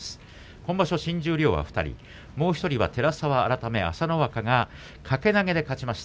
今場所新十両は２人、もう１人は寺沢改め朝乃若が掛け投げで勝ちました。